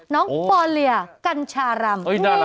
น้องปอเลียกัญชารำ